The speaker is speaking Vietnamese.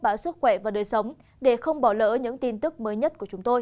bảo sức khỏe và đời sống để không bỏ lỡ những tin tức mới nhất của chúng tôi